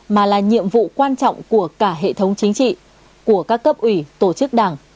mà là nhiệm vụ quan trọng của cả hệ thống chính trị của các cấp ủy tổ chức đảng